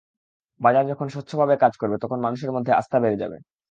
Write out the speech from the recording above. বাজার যখন স্বচ্ছভাবে কাজ করবে, তখন মানুষের মধ্যে আস্থা বেড়ে যাবে।